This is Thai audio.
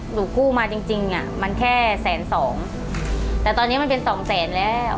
กู้มาจริงจริงอ่ะมันแค่แสนสองแต่ตอนนี้มันเป็นสองแสนแล้ว